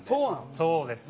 そうですね。